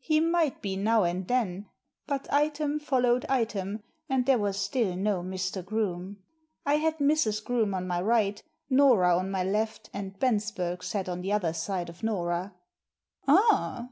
He might be now and then. But item followed item, and there was still no Mr. Groome. I had Mrs. Groome on my right, Nora on my left, and Bensberg sat on the other side of Nora. *Ah!"